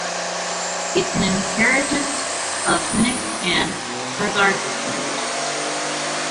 It's an inheritant of Hunnic and Khazar languages.